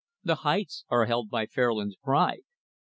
The heights are held by Fairlands' Pride.